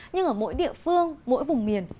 nhưng ở mỗi địa phương mỗi vùng miền